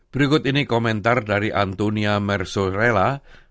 berikut ini komentar dari antonia mersorella